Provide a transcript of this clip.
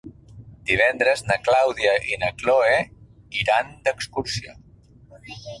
Divendres na Clàudia i na Cloè iran d'excursió.